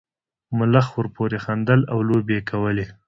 ملخ ورپورې خندل او لوبې یې کولې.